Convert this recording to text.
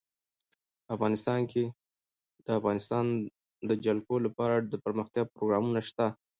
افغانستان کې د د افغانستان جلکو لپاره دپرمختیا پروګرامونه شته.